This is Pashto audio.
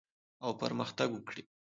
او پرمختګ وکړي